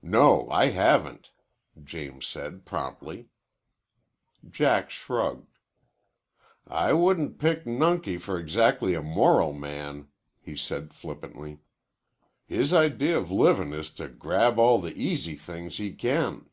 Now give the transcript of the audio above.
"No, I haven't," James said promptly. Jack shrugged. "I wouldn't pick nunky for exactly a moral man," he said flippantly. "His idea of living is to grab all the easy things he can."